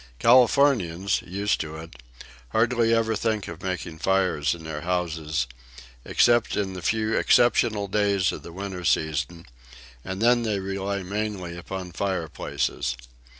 Californians, used to it, hardly ever think of making fires in their houses except in the few exceptional days of the winter season, and then they rely mainly upon fireplaces.